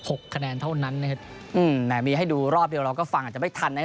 หกคะแนนเท่านั้นนะครับอืมแหมมีให้ดูรอบเดียวเราก็ฟังอาจจะไม่ทันนะครับ